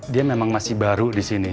dia memang masih baru di sini